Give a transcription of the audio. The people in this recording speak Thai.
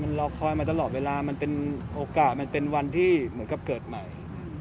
มันรอคอยมาตลอดเวลามันเป็นโอกาสมันเป็นวันที่เหมือนกับเกิดใหม่